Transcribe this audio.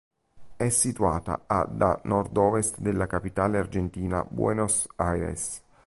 È situata a da nord-ovest della capitale argentina Buenos Aires.